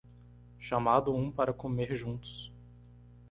Chamado um para comer juntos